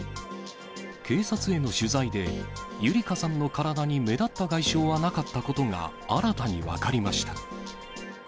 警察への取材で、優理香さんの体に目立った外傷はなかったことが新たに分かりました。